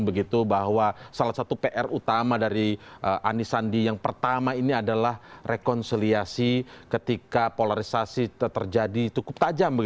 begitu bahwa salah satu pr utama dari anisandi yang pertama ini adalah rekonsiliasi ketika polarisasi terjadi cukup tajam